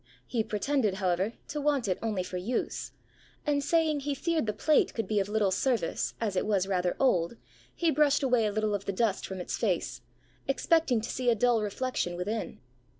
He pretended, however, to want it only for use; and saying he feared the plate could be of little service, as it was rather old, he brushed away a little of the dust from its face, expecting to see a dull reflection within.